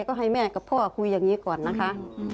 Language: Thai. ก็ให้แม่กับพ่อคุยอย่างนี้ก่อนนะคะ